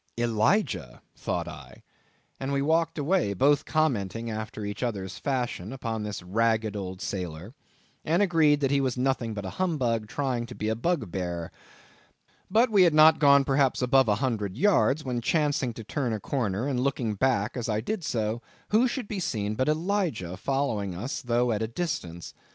Elijah! thought I, and we walked away, both commenting, after each other's fashion, upon this ragged old sailor; and agreed that he was nothing but a humbug, trying to be a bugbear. But we had not gone perhaps above a hundred yards, when chancing to turn a corner, and looking back as I did so, who should be seen but Elijah following us, though at a distance.